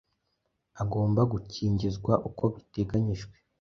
Agomba gukingizwa uko biteganyijwe,